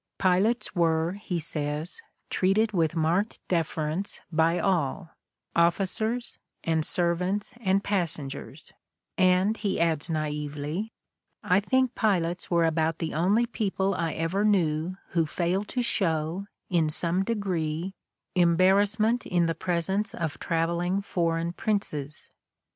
Pilots were, he says, "treated with marked deference by all, officers and servants and pas sengers," and he adds naively: "I think pilots were about the only people I ever knew who failed to show, in some degree, embarrassment in the presence of travel ing foreign princes."